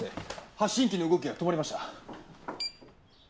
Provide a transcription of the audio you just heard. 発信器の動きが止まりました。